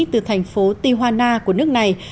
từ thành phố tijuana của nước này